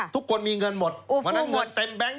ทุกคนมีเงินหมดเพราะฉะนั้นเงินเต็มแบงค